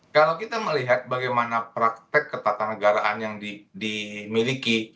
kalau kita melihat bagaimana praktek ketatanegaraan yang dimiliki